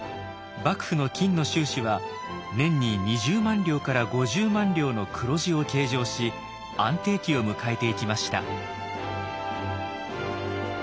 幕府の金の収支は年に２０万両から５０万両の黒字を計上し安定期を迎えていきました。